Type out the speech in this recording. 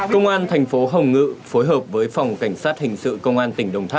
công an thành phố hồng ngự phối hợp với phòng cảnh sát hình sự công an tỉnh đồng tháp